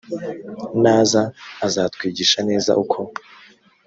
naza azatwigisha neza uko